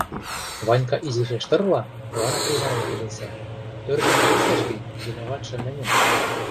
— Ванька изишеш тырла, вара приваен келесӓ: — Тӧржӹм келесӓш гӹнь, виноватшы мӹньӹн.